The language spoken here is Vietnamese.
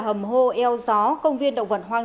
hầm hô eo gió công viên động vận hoang